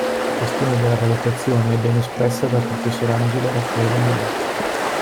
La questione della valutazione è bene espressa dal Professor Angelo Raffaele Meo.